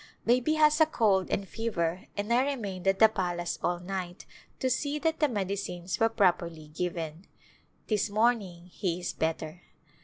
Baby has a cold and fever and I remained at the palace all night to see that the medicines were properly given ; this morning he is better.